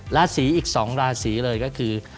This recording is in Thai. ราศีอีก๒ราศีเลยก็คือ